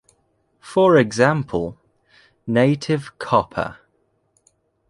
For example, Native copper.